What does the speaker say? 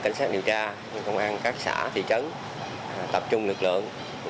cảnh sát điều tra công an các xã thị trấn tập trung lực lượng